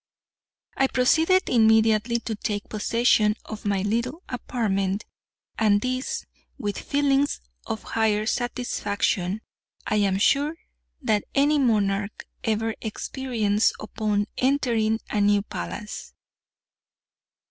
I proceeded immediately to take possession of my little apartment, and this with feelings of higher satisfaction, I am sure, than any monarch ever experienced upon entering a new palace.